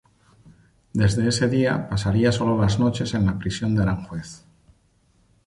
Desde ese día, pasaría solo las noches en la prisión de Aranjuez.